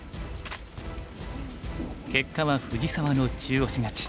結果は藤沢の中押し勝ち。